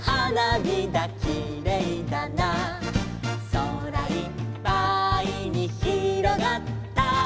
「空いっぱいにひろがった」